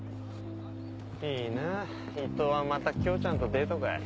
いいな伊藤はまた京ちゃんとデートか。